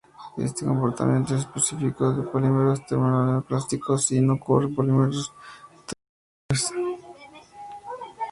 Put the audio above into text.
Este comportamiento es específico de polímeros termoplásticos y no ocurre en polímeros termoestables.